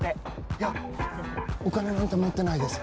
いやお金なんて持ってないです。